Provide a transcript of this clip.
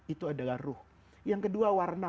itu adalah ruh yang kedua warna